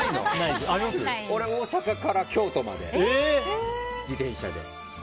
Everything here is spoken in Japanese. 大阪から京都まで自転車で。